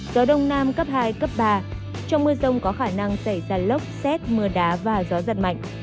gió đông nam cấp hai cấp ba trong mưa rông có khả năng xảy ra lốc xét mưa đá và gió giật mạnh